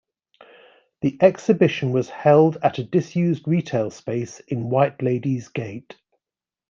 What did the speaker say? The exhibition was held at a disused retail space in Whiteladies Gate.